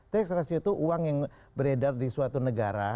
tax ratio itu uang yang beredar di suatu negara